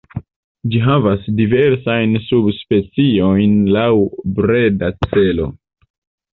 Ĝi havas diversajn subspeciojn laŭ breda celo.